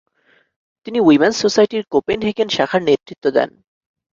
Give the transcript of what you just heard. তিনি উইমেন্স সোসাইটির কোপেনহেগেন শাখার নেতৃত্ব দেন।